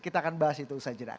kita akan bahas itu usaha jenaka